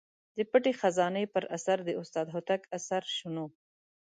د پټې خزانې پر اثر د استاد هوتک اثر شنو.